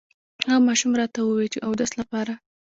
هغه ماشوم راته ووې چې اودس لپاره